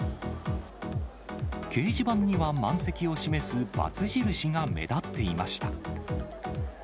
掲示板には満席を示す×印が目立っていました。